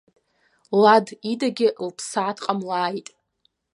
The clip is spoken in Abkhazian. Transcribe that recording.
Лад идагьы лԥсаа дҟамлааит!